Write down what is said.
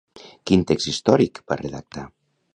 Quin text històric va redactar?